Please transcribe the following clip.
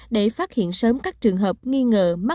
để phát hiện sớm các trường hợp nghi ngờ mắc